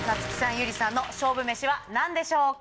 ゆりさんの勝負メシは何でしょうか？